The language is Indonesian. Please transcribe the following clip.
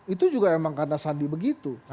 itu juga emang karena sandi begitu